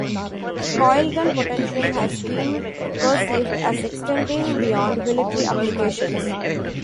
Coilgun potential has been perceived as extending beyond military applications.